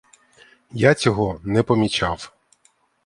Я цього не помічав.